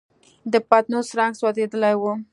د پتنوس رنګ سوځېدلی و.